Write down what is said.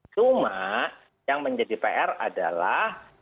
cuma yang menjadi pr adalah